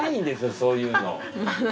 そういうの。